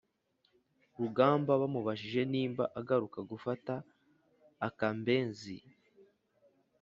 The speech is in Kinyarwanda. rugamba bamubajije nimba agaruka gufata akambezi